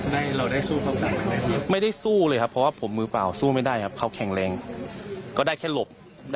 เราได้สู้เขาต่างไม่ได้ครับ